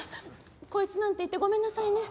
「こいつ」なんて言ってごめんなさいね。